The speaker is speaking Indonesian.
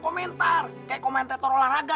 komentar kayak komentator olahraga